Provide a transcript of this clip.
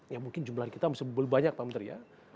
ya mungkin jumlah kita masih belum banyak pak menteri ya